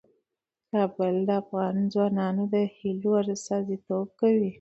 کابل د افغان ځوانانو د هیلو استازیتوب کوي.